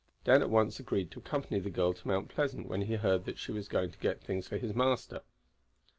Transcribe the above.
Dan at once agreed to accompany the girl to Mount Pleasant when he heard that she was going to get things for his master.